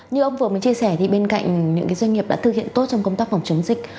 như ông vừa mới chia sẻ thì bên cạnh những doanh nghiệp đã thực hiện tốt trong công tác phòng chống dịch